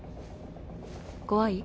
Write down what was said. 怖い？